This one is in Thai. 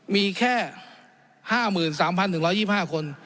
มีแค่ห้าหมื่นสามพันหนึ่งร้อยยี่ห้าคน